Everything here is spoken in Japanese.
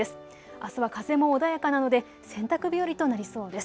あすは風も穏やかなので洗濯日和となりそうです。